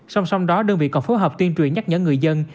song song đó đơn vị còn phối hợp tuyên truyền nhắc nhở người dân